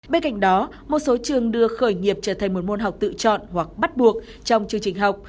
bên cạnh đó một số trường đưa khởi nghiệp trở thành một môn học tự chọn hoặc bắt buộc trong chương trình học